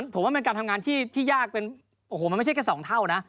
ผมว่าเป็นการทำงานที่ยากเป็นโอ้โหมันไม่ใช่แค่๒เท่านะ